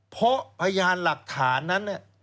เพราะพยานหลักฐานนั้น